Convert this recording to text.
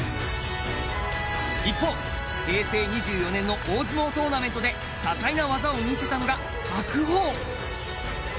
一方、平成２４年の大相撲トーナメントで多彩な技を見せたのが白鵬。